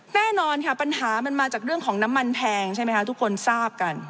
แน่นอนค่ะปัญหามันมาจากเรื่องของน้ำมันแพงใช่ไหมคะทุกคนทราบกัน